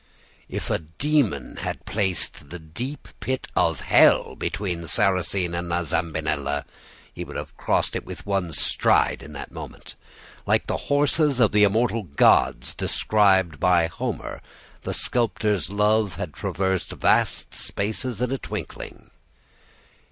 "If a demon had placed the deep pit of hell between Sarrasine and La Zambinella, he would have crossed it with one stride at that moment. Like the horses of the immortal gods described by Homer, the sculptor's love had traversed vast spaces in a twinkling.